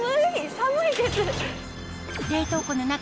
寒いです！